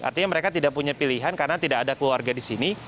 artinya mereka tidak punya pilihan karena tidak ada keluarga di sini